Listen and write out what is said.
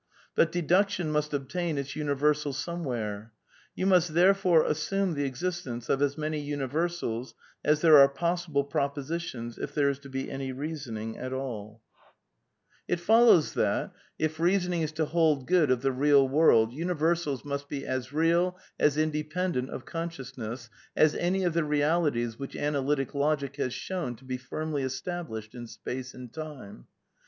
But deduction must obtain its universal somewhere. ^ You must therefore assume the existence of as many uni f versals as there are possible propositions if there is to be I any reasoning at all. * 180 A DEFENCE OF IDEALISM It follows that, if leasoning is to hold good of the real world, universals miist be as real, bb independeot of coor seioiiaiieBB, as any of the realities which analytic logic has shown to be firmly establiahed in space and time.